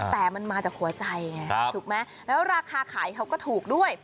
แต่มันมาจากหัวใจไงถูกไหมแล้วราคาขายเขาก็ถูกด้วย